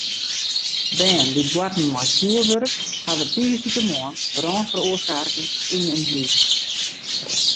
Bern dy't boarten mei fjoerwurk hawwe tiisdeitemoarn brân feroarsake yn in hús.